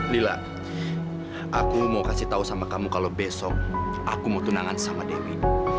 lila aku mau kasih tahu sama kamu kalau besok aku mau tunangan sama dewi